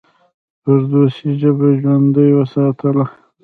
فردوسي ژبه ژوندۍ وساتله.